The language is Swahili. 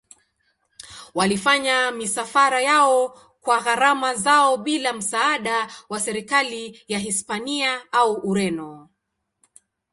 Walifanya misafara yao kwa gharama zao bila msaada wa serikali ya Hispania au Ureno.